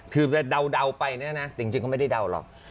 คือเดาไปเนี่ยนะจริงเขาไม่ได้เดาหรอก